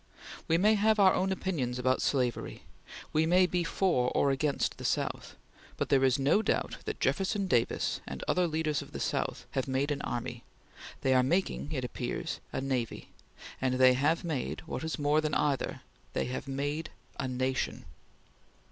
We may have our own opinions about slavery; we may be for or against the South; but there is no doubt that Jefferson Davis and other leaders of the South have made an army; they are making, it appears, a navy; and they have made, what is more than either, they have made a nation....